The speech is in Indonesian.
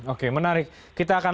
oke menarik kita akan